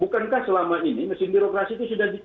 bukankah selama ini mesin birokrasi itu sudah di